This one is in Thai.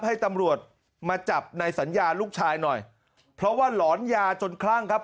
ให้ตำรวจมาจับในสัญญาลูกชายหน่อยเพราะว่าหลอนยาจนคลั่งครับ